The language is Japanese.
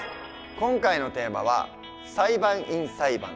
今回のテーマは「裁判員裁判」。